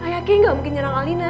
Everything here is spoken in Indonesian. kayaknya gak mungkin serang alina